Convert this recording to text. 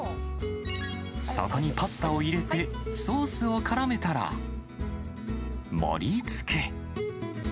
そこにパスタを入れて、ソースをからめたら、盛りつけ。